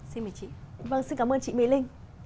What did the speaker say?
xin mời chị